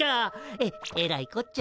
ええらいこっちゃ。